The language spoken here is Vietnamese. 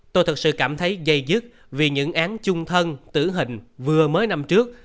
tôi thật sự cảm thấy dây dứt vì những án chung thân tử hình vừa mới năm trước